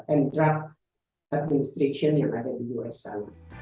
ini adalah administrasi makanan dan minuman yang ada di amerika serikat